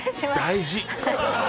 大事